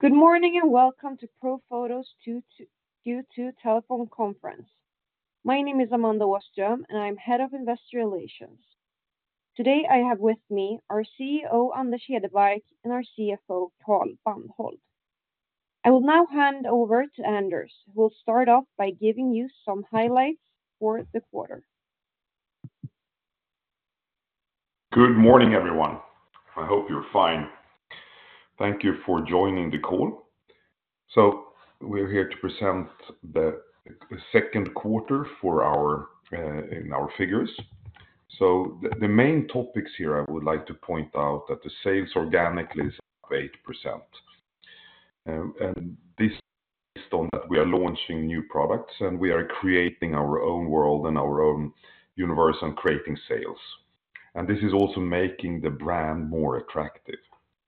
Good morning, and welcome to Profoto's Q2 telephone conference. My name is Amanda Åström, and I'm Head of Investor Relations. Today, I have with me our CEO, Anders Hedebark, and our CFO, Carl Bandhold. I will now hand over to Anders, who will start off by giving you some highlights for the quarter. Good morning, everyone. I hope you're fine. Thank you for joining the call. So we're here to present the Q2 for our figures. So the main topics here, I would like to point out that the sales organically is up 8%. And this is based on that we are launching new products, and we are creating our own world and our own universe and creating sales. And this is also making the brand more attractive.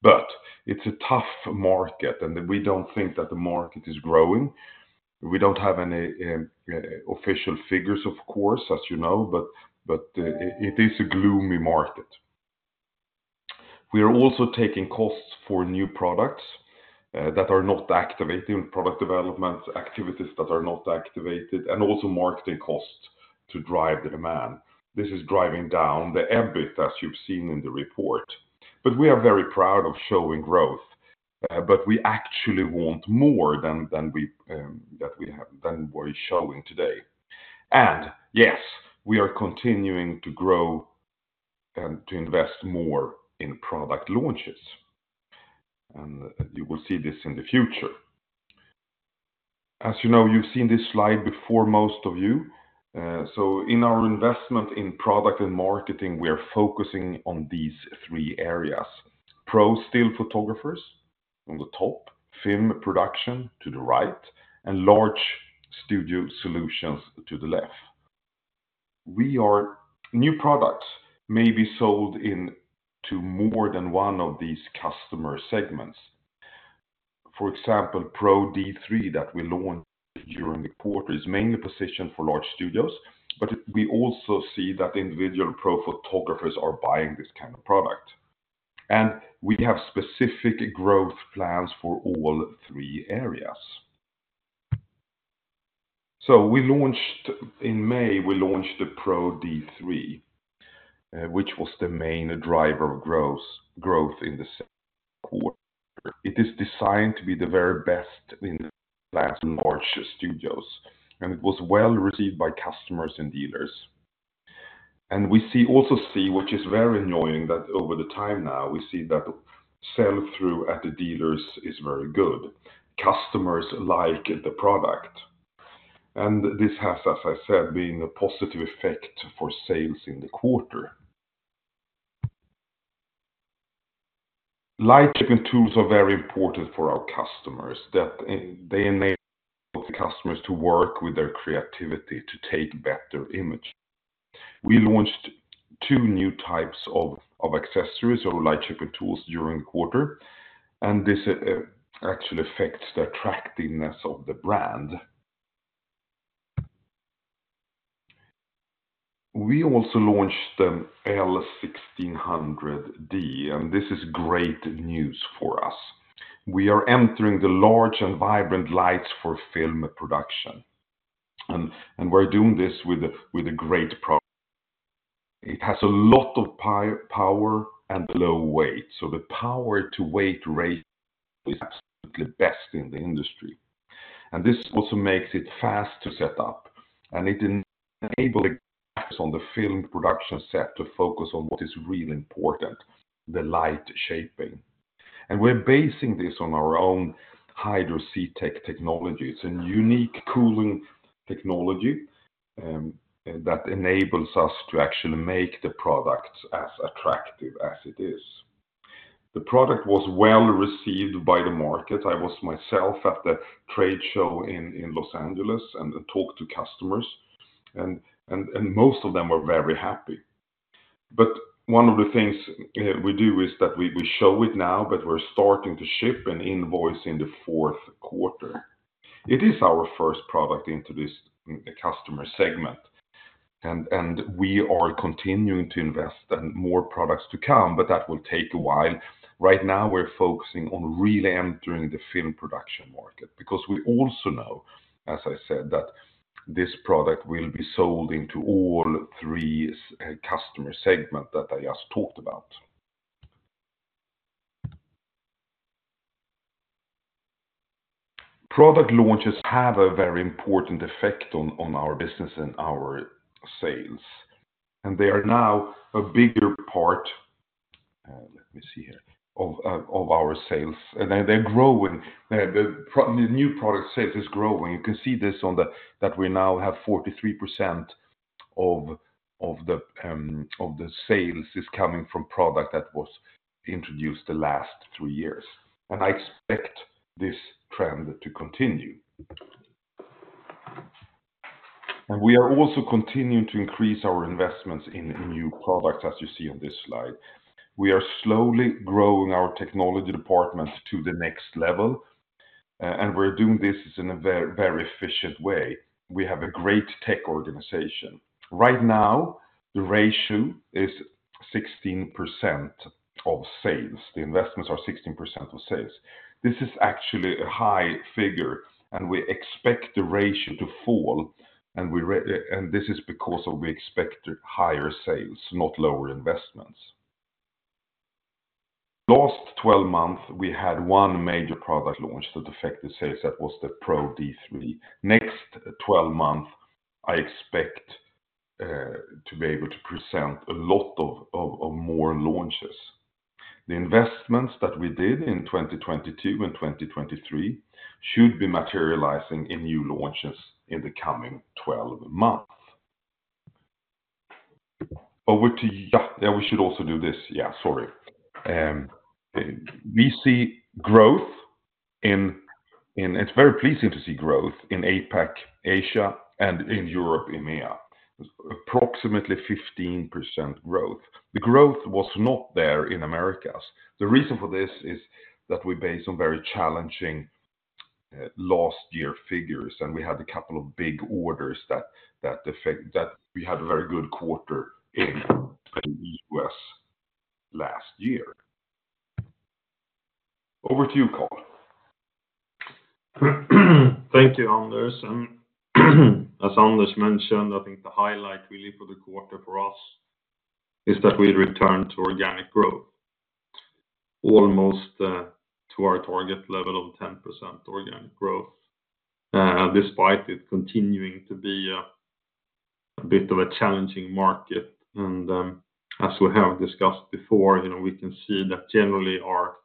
But it's a tough market, and we don't think that the market is growing. We don't have any official figures, of course, as you know, but it is a gloomy market. We are also taking costs for new products that are not activated, product development activities that are not activated, and also marketing costs to drive the demand. This is driving down the EBIT, as you've seen in the report. But we are very proud of showing growth, but we actually want more than what we're showing today. Yes, we are continuing to grow and to invest more in product launches, and you will see this in the future. As you know, you've seen this slide before, most of you. So in our investment in product and marketing, we are focusing on these three areas: pro still photographers on the top, film production to the right, and large studio solutions to the left. New products may be sold into more than one of these customer segments. For example, Pro-D3 that we launched during the quarter, is mainly positioned for large studios, but we also see that individual pro photographers are buying this kind of product. We have specific growth plans for all three areas. So we launched, in May, we launched the Pro-D3, which was the main driver of growth in the Q2. It is designed to be the very best in large studios, and it was well-received by customers and dealers. And we also see, which is very annoying, that over the time now, we see that sell-through at the dealers is very good. Customers like the product. And this has, as I said, been a positive effect for sales in the quarter. Light-shaping tools are very important for our customers, that they enable the customers to work with their creativity to take better image. We launched two new types of accessories or light-shaping tools during the quarter, and this actually affects the attractiveness of the brand. We also launched the L1600D, and this is great news for us. We are entering the large and vibrant lights for film production, and we're doing this with a great product. It has a lot of power and low weight, so the power to weight ratio is absolutely best in the industry. And this also makes it fast to set up, and it enables on the film production set to focus on what is really important, the light shaping. And we're basing this on our own HydroCTech technologies, a unique cooling technology, that enables us to actually make the products as attractive as it is. The product was well-received by the market. I was myself at the trade show in Los Angeles and talked to customers, and most of them were very happy. But one of the things we do is that we show it now, but we're starting to ship and invoice in the Q4. It is our first product into this customer segment, and we are continuing to invest and more products to come, but that will take a while. Right now, we're focusing on really entering the film production market, because we also know, as I said, that this product will be sold into all three customer segment that I just talked about. Product launches have a very important effect on our business and our sales, and they are now a bigger part of our sales, and they're growing. The new product sales is growing. You can see this on the, that we now have 43% of the sales coming from product that was introduced the last two years, and I expect this trend to continue. We are also continuing to increase our investments in new products, as you see on this slide. We are slowly growing our technology department to the next level. We're doing this in a very, very efficient way. We have a great tech organization. Right now, the ratio is 16% of sales. The investments are 16% of sales. This is actually a high figure, and we expect the ratio to fall, and this is because we expect higher sales, not lower investments. Last 12 months, we had one major product launch that affected sales, that was the Pro-D3. Next 12 months, I expect to be able to present a lot of more launches. The investments that we did in 2022 and 2023 should be materializing in new launches in the coming 12 months. Over to you. Yeah, we should also do this. Yeah, sorry. We see growth in. It's very pleasing to see growth in APAC, Asia, and in Europe, EMEA, approximately 15% growth. The growth was not there in Americas. The reason for this is that we base on very challenging last year figures, and we had a couple of big orders that affect that we had a very good quarter in the U.S. last year. Over to you, Carl. Thank you, Anders. And as Anders mentioned, I think the highlight really for the quarter for us is that we returned to organic growth, almost to our target level of 10% organic growth, despite it continuing to be a bit of a challenging market. And as we have discussed before, you know, we can see that generally our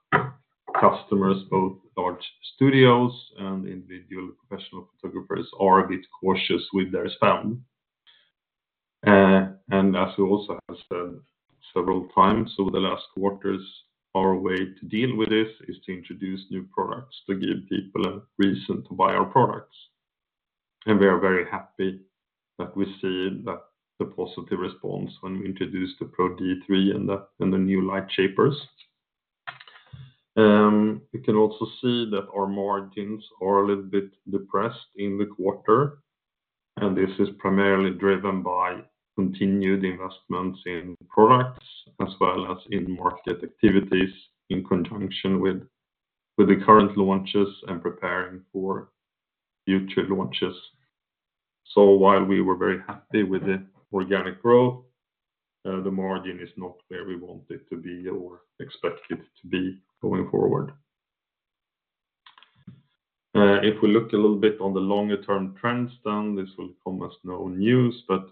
customers, both large studios and individual professional photographers, are a bit cautious with their spend. And as we also have said several times over the last quarters, our way to deal with this is to introduce new products, to give people a reason to buy our products. And we are very happy that we see that the positive response when we introduced the Pro-D3 and the new light shapers. You can also see that our margins are a little bit depressed in the quarter, and this is primarily driven by continued investments in products as well as in market activities, in conjunction with the current launches and preparing for future launches. So while we were very happy with the organic growth, the margin is not where we want it to be or expect it to be going forward. If we look a little bit on the longer-term trends, then this will come as no news. But,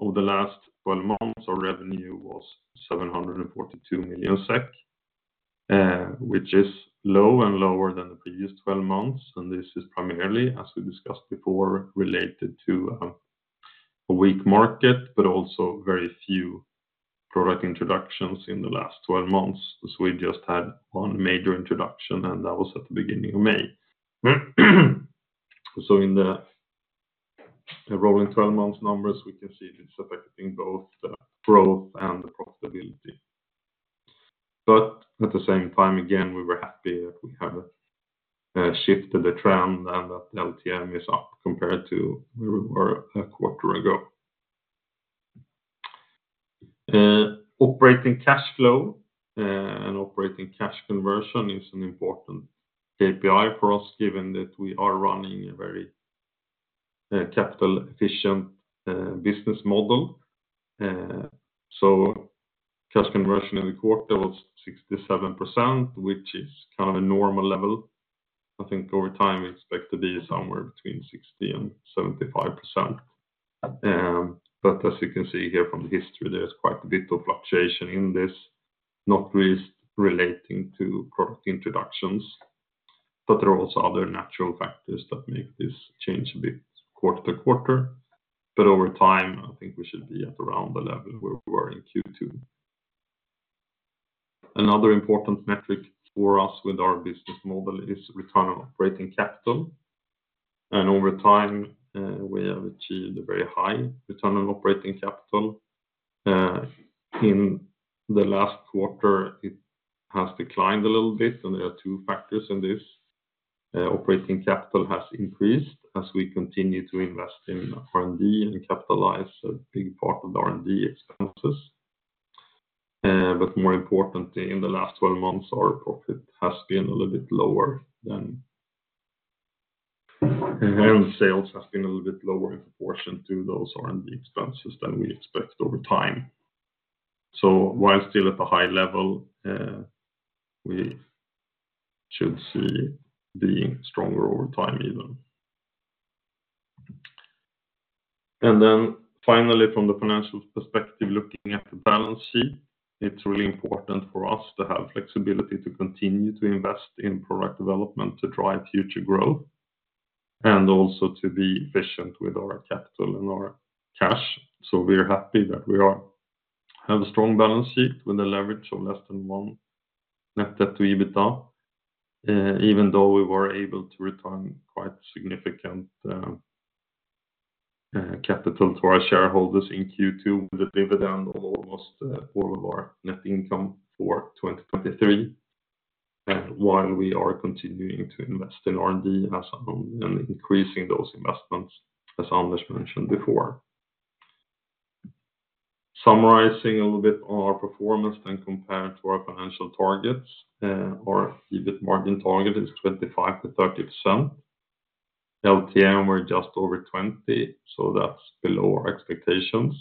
over the last 12 months, our revenue was 742 million SEK, which is low and lower than the previous 12 months, and this is primarily, as we discussed before, related to a weak market, but also very few product introductions in the last 12 months, because we just had one major introduction, and that was at the beginning of May. So in the rolling 12 months numbers, we can see it's affecting both the growth and the profitability. But at the same time, again, we were happy that we have shifted the trend and that LTM is up compared to where we were a quarter ago. Operating cash flow and operating cash conversion is an important KPI for us, given that we are running a very capital efficient business model. So cash conversion in the quarter was 67%, which is kind of normal level. I think over time, we expect to be somewhere between 60%-75%. But as you can see here from the history, there's quite a bit of fluctuation in this, not least relating to product introductions, but there are also other natural factors that make this change a bit quarter to quarter. But over time, I think we should be at around the level where we were in Q2. Another important metric for us with our business model is return on operating capital, and over time, we have achieved a very high return on operating capital. In the last quarter, it has declined a little bit, and there are two factors in this. Operating capital has increased as we continue to invest in R&D and capitalize a big part of the R&D expenses. But more importantly, in the last 12 months, our profit has been a little bit lower and sales has been a little bit lower in proportion to those R&D expenses than we expect over time. So while still at a high level, we should see being stronger over time even. And then finally, from the financial perspective, looking at the balance sheet, it's really important for us to have flexibility to continue to invest in product development, to drive future growth, and also to be efficient with our capital and our cash. So we are happy that we have a strong balance sheet with a leverage of less than one net debt to EBITDA, even though we were able to return quite significant capital to our shareholders in Q2 with a dividend of almost, all of our net income for 2023. And while we are continuing to invest in R&D as, and increasing those investments, as Anders mentioned before. Summarizing a little bit on our performance then compared to our financial targets, our EBIT margin target is 25%-30%. LTM, we're just over 20, so that's below our expectations.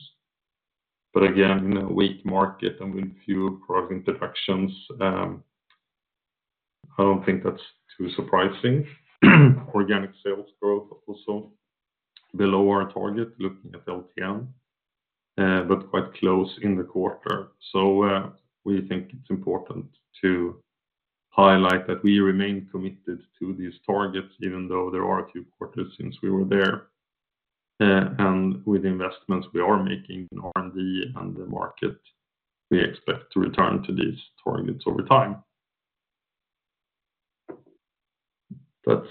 But again, in a weak market and with few product introductions, I don't think that's too surprising. Organic sales growth also below our target, looking at LTM, but quite close in the quarter. So, we think it's important to highlight that we remain committed to these targets, even though there are a few quarters since we were there. And with investments we are making in R&D and the market, we expect to return to these targets over time. That's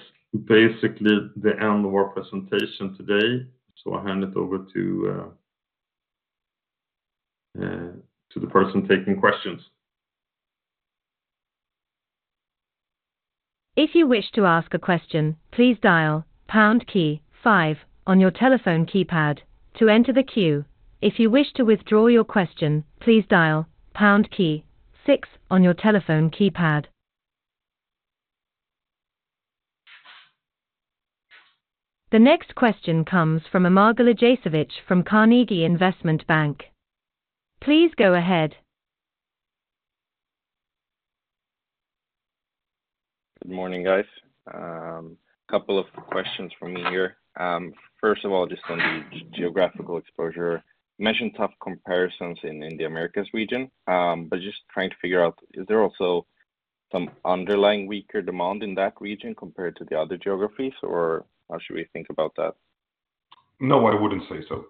basically the end of our presentation today. So I'll hand it over to the person taking questions. If you wish to ask a question, please dial #key five on your telephone keypad to enter the queue. If you wish to withdraw your question, please dial #key six on your telephone keypad. The next question comes from Amar Galijasevic from Carnegie Investment Bank. Please go ahead. Good morning, guys. Couple of questions from me here. First of all, just on the geographical exposure. You mentioned tough comparisons in the Americas region, but just trying to figure out, is there also some underlying weaker demand in that region compared to the other geographies, or how should we think about that? No, I wouldn't say so.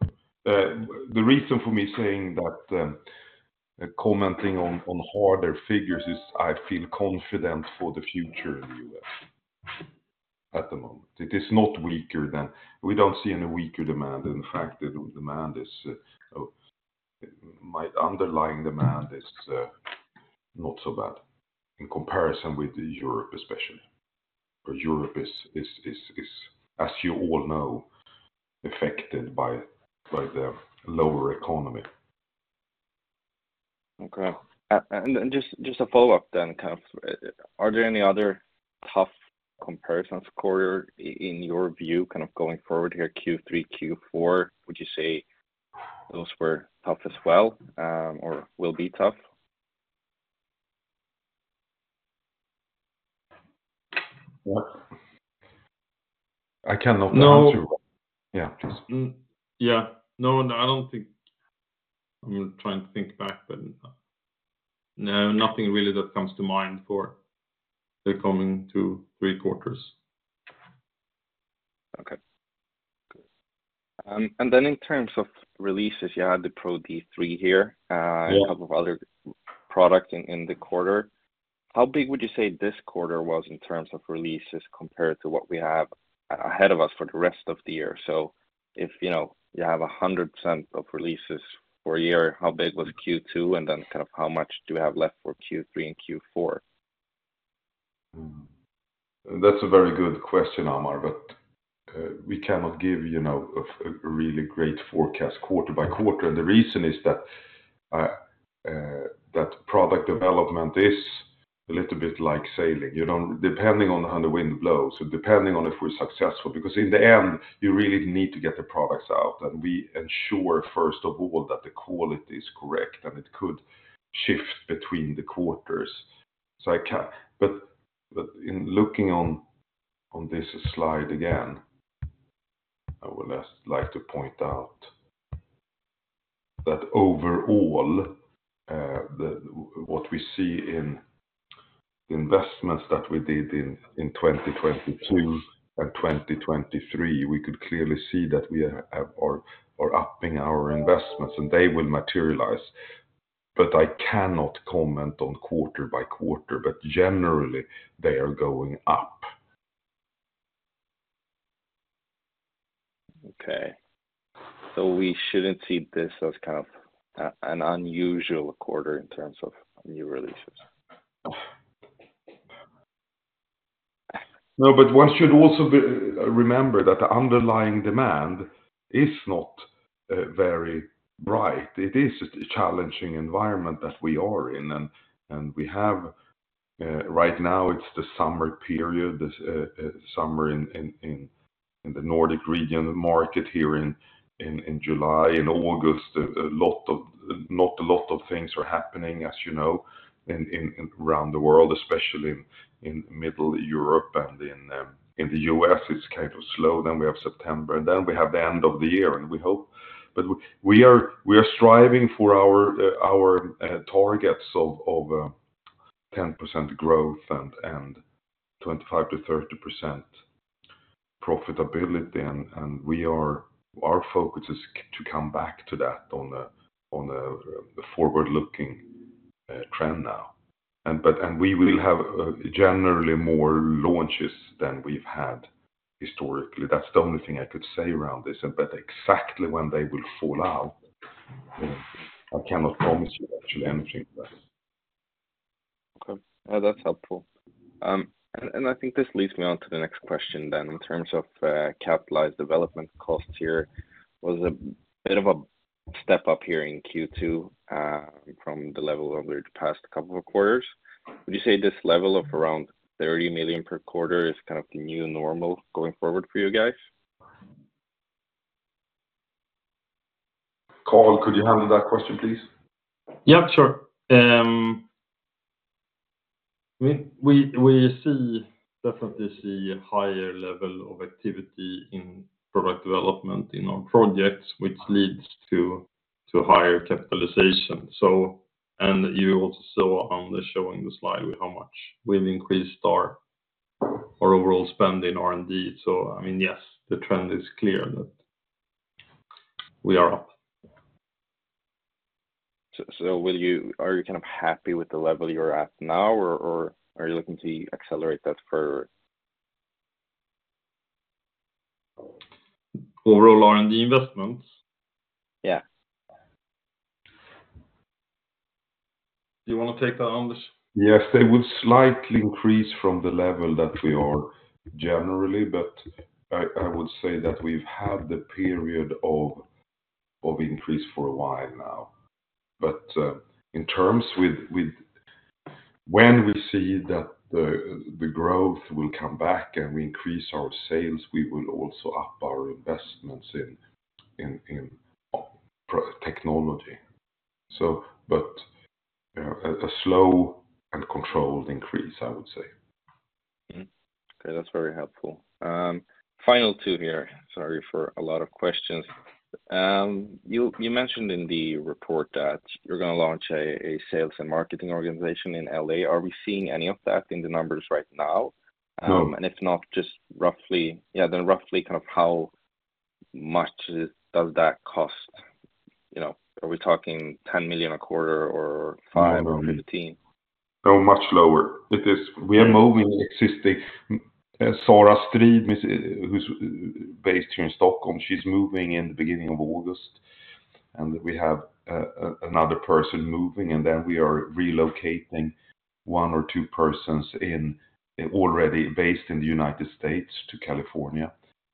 The reason for me saying that, commenting on harder figures is, I feel confident for the future in the U.S. at the moment. It is not weaker than... We don't see any weaker demand. In fact, the demand is, my underlying demand is not so bad in comparison with Europe, especially, where Europe is, as you all know, affected by the lower economy. Okay. And just a follow-up then, kind of, are there any other tough comparisons quarter, in your view, kind of going forward here, Q3, Q4? Would you say those were tough as well, or will be tough? What? I cannot answer. No. Yeah, please. Yeah. No, I don't think... I'm trying to think back, but, no, nothing really that comes to mind for the coming two, three quarters. Okay. And then in terms of releases, you had the Pro-D3 here, Yeah... a couple of other products in the quarter. How big would you say this quarter was in terms of releases compared to what we have ahead of us for the rest of the year? So if, you know, you have 100% of releases for a year, how big was Q2? And then kind of how much do you have left for Q3 and Q4? Hmm. That's a very good question, Amar, but we cannot give, you know, a really great forecast quarter by quarter. And the reason is that product development is a little bit like sailing. Depending on how the wind blows, so depending on if we're successful, because in the end, you really need to get the products out, and we ensure, first of all, that the quality is correct, and it could shift between the quarters. But in looking on this slide again, I would like to point out that overall, what we see in investments that we did in 2022 and 2023, we could clearly see that we are upping our investments, and they will materialize. But I cannot comment on quarter by quarter, but generally, they are going up. Okay. So we shouldn't see this as kind of, an unusual quarter in terms of new releases? No, but one should also remember that the underlying demand is not very bright. It is a challenging environment that we are in, and we have right now, it's the summer period, this summer in the Nordic region market here in July and August. Not a lot of things are happening, as you know, around the world, especially in Middle Europe and in the US, it's kind of slow. Then we have September, and then we have the end of the year, and we hope. But we are striving for our targets of 10% growth and 25%-30% profitability, and our focus is to come back to that on a forward-looking a trend now. But we will have generally more launches than we've had historically. That's the only thing I could say around this, but exactly when they will fall out, I cannot promise you actually anything there. Okay. Well, that's helpful. And I think this leads me on to the next question then, in terms of capitalized development costs here, was a bit of a step up here in Q2, from the level over the past couple of quarters. Would you say this level of around 30 million per quarter is kind of the new normal going forward for you guys? Carl, could you handle that question, please? Yeah, sure. We definitely see a higher level of activity in product development in our projects, which leads to higher capitalization. So, and you also saw Anders showing the slide with how much we've increased our overall spend in R&D. So I mean, yes, the trend is clear that we are up. So, will you—are you kind of happy with the level you're at now, or are you looking to accelerate that further? Overall R&D investments? Yeah. Do you wanna take that, Anders? Yes, they would slightly increase from the level that we are generally, but I would say that we've had the period of increase for a while now. But in terms of when we see that the growth will come back and we increase our sales, we will also up our investments in produc technology. So, a slow and controlled increase, I would say. Mm-hmm. Okay, that's very helpful. Final two here. Sorry for a lot of questions. You mentioned in the report that you're gonna launch a sales and marketing organization in L.A. Are we seeing any of that in the numbers right now? No. And if not, just roughly, yeah, then roughly, kind of how much does that cost? You know, are we talking 10 million a quarter or 5 million or 15 million? No, much lower. It is- Okay. We are moving the existing Sara Strid, who's based here in Stockholm, she's moving in the beginning of August, and we have another person moving, and then we are relocating one or two persons already based in the United States, to California,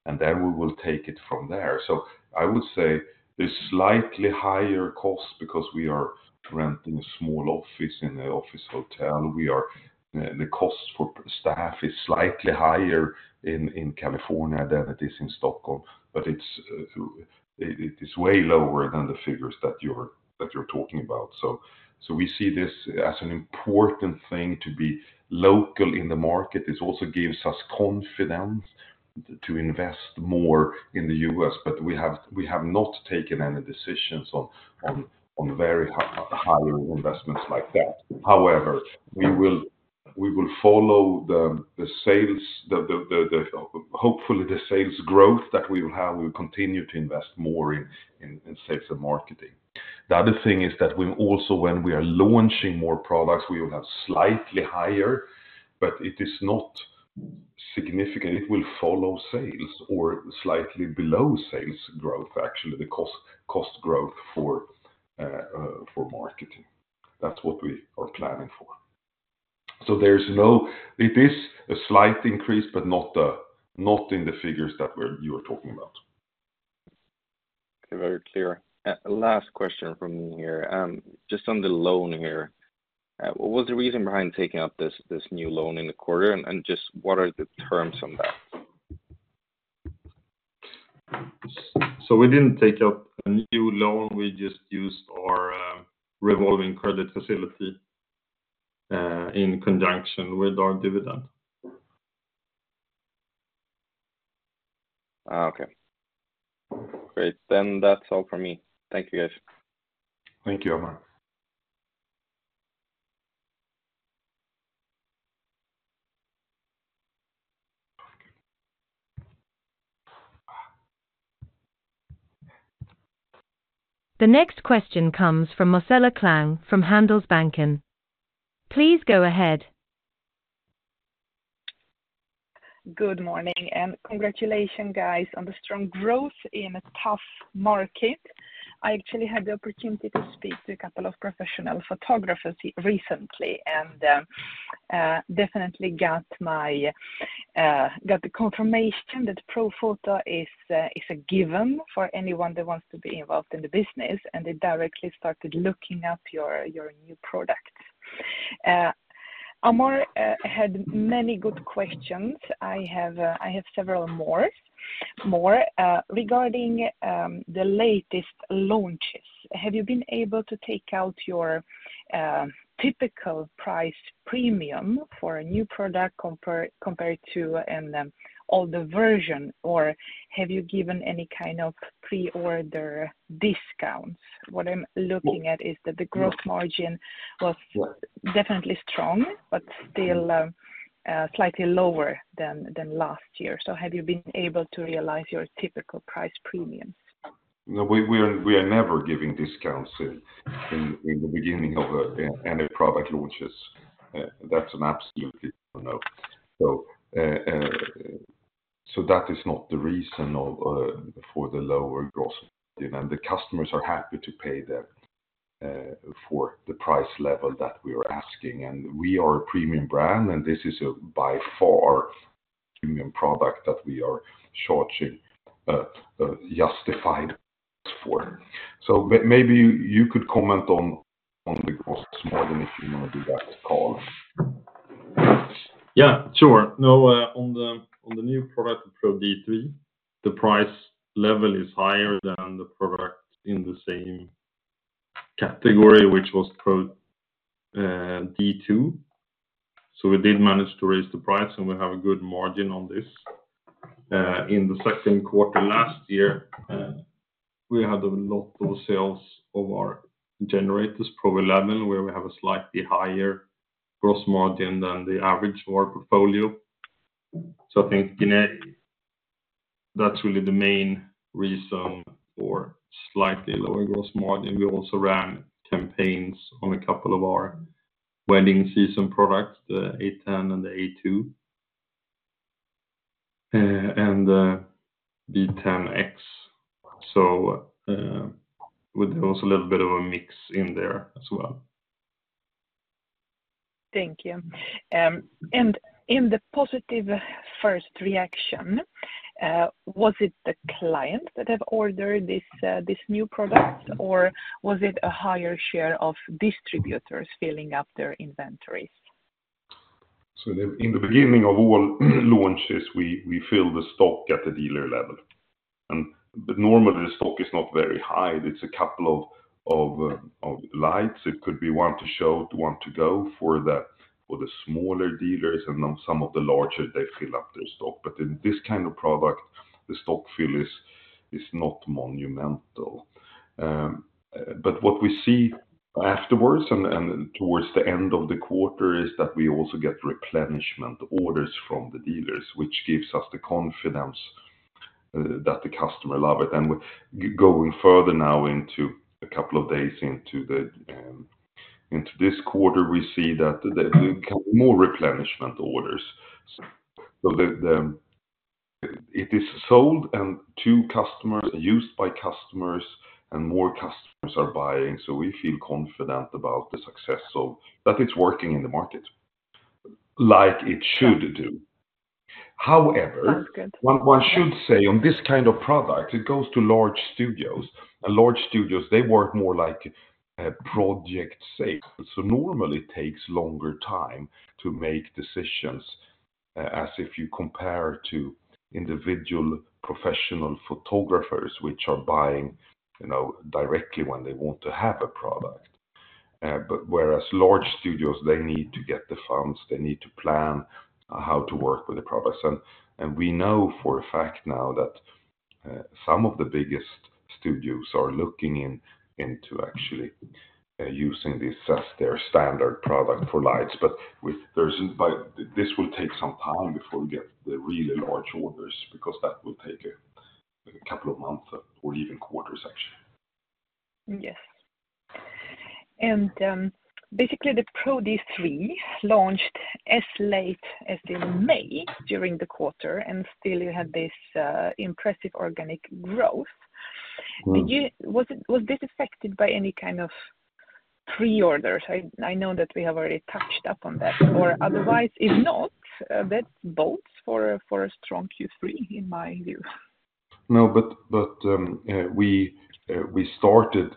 and then we will take it from there. So I would say it's slightly higher cost because we are renting a small office in an office hotel. The cost for staff is slightly higher in California than it is in Stockholm, but it is way lower than the figures that you're talking about. So we see this as an important thing to be local in the market. This also gives us confidence to invest more in the US, but we have not taken any decisions on very high, higher investments like that. However, we will follow the sales, hopefully, the sales growth that we will have. We'll continue to invest more in sales and marketing. The other thing is that we also, when we are launching more products, we will have slightly higher, but it is not significant. It will follow sales or slightly below sales growth, actually, the cost growth for marketing. That's what we are planning for. So there's no... It is a slight increase, but not in the figures that we're—you are talking about. Okay. Very clear. Last question from me here. Just on the loan here, what was the reason behind taking up this new loan in the quarter, and just what are the terms on that? So we didn't take up a new loan. We just used our revolving credit facility in conjunction with our dividend. Ah, okay. Great, then that's all for me. Thank you, guys. Thank you, Amar. The next question comes from Marcela Klang, from Handelsbanken. Please go ahead. Good morning, and congratulations, guys, on the strong growth in a tough market. I actually had the opportunity to speak to a couple of professional photographers recently, and definitely got the confirmation that Profoto is a given for anyone that wants to be involved in the business, and they directly started looking up your new products. Amar had many good questions. I have several more. Regarding the latest launches, have you been able to take out your typical price premium for a new product compared to older version, or have you given any kind of pre-order discounts? What I'm looking at is that the gross margin was definitely strong, but still slightly lower than last year. Have you been able to realize your typical price premiums?... No, we are never giving discounts in the beginning of any product launches. That's an absolute no. So that is not the reason for the lower gross. And the customers are happy to pay for the price level that we are asking. And we are a premium brand, and this is a by far premium product that we are charging justified for. So maybe you could comment on the costs more than if you want to do that, Carl. Yeah, sure. No, on the new product, Pro-D3, the price level is higher than the product in the same category, which was Pro-D2. So we did manage to raise the price, and we have a good margin on this. In the Q2 last year, we had a lot of sales of our generators, Pro-11, where we have a slightly higher gross margin than the average for our portfolio. So I think that's really the main reason for slightly lower gross margin. We also ran campaigns on a couple of our wedding season products, the A10 and the A2, and the B10X. So, with also a little bit of a mix in there as well. Thank you. And in the positive first reaction, was it the clients that have ordered this, this new product, or was it a higher share of distributors filling up their inventories? So in the beginning of all launches, we fill the stock at the dealer level. But normally, the stock is not very high. It's a couple of lights. It could be one to show, one to go for the smaller dealers, and on some of the larger, they fill up their stock. But in this kind of product, the stock fill is not monumental. But what we see afterwards and towards the end of the quarter is that we also get replenishment orders from the dealers, which gives us the confidence that the customer love it. And going further now into a couple of days into this quarter, we see that the more replenishment orders. So it is sold and to customers, used by customers, and more customers are buying, so we feel confident about the success of that. It's working in the market, like it should do. Sounds good. However, one should say, on this kind of product, it goes to large studios. And large studios, they work more like a project sale. So normally, it takes longer time to make decisions, as if you compare to individual professional photographers, which are buying, you know, directly when they want to have a product. But whereas large studios, they need to get the funds, they need to plan, how to work with the products. And we know for a fact now that some of the biggest studios are looking into actually using this as their standard product for lights. But this will take some time before we get the really large orders, because that will take a couple of months or even quarters, actually. Yes. And, basically, the Pro-D3 launched as late as in May, during the quarter, and still you had this impressive organic growth. Was it, was this affected by any kind of pre-orders? I, I know that we have already touched up on that. Or otherwise, if not, that bodes for a, for a strong Q3 in my view. No, but we started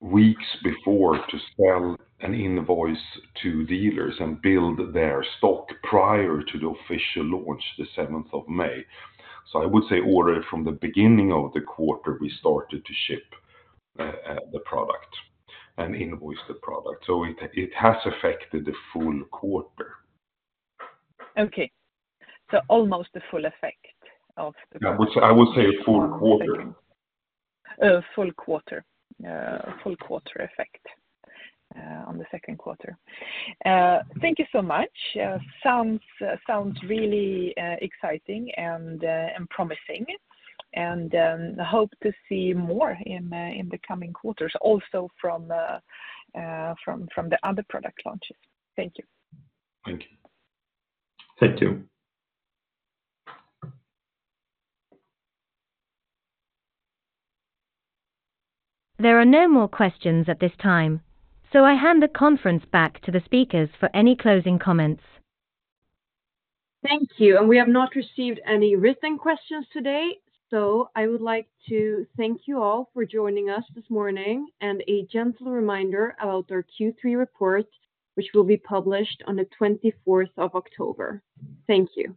weeks before to sell and invoice to dealers and build their stock prior to the official launch, the seventh of May. So I would say, already from the beginning of the quarter, we started to ship the product and invoice the product, so it has affected the full quarter. Okay. So almost the full effect of the- Yeah, which I would say a full quarter. Full quarter effect on the Q2. Thank you so much. Sounds really exciting and promising. I hope to see more in the coming quarters, also from the other product launches. Thank you. Thank you. Thank you. There are no more questions at this time, so I hand the conference back to the speakers for any closing comments. Thank you. We have not received any written questions today, so I would like to thank you all for joining us this morning. A gentle reminder about our Q3 report, which will be published on the 24th of October. Thank you.